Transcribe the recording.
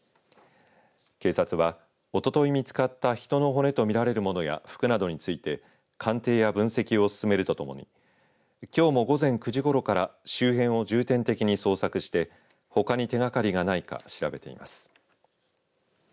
警察は、おととい見つかった人の骨とみられるものや服などについて鑑定や分析を進めるとともにきょうも午前９時ごろから周辺を重点的に捜索してほかに手がかりがないか調べています。